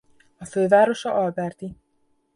A fővárosa Alberti.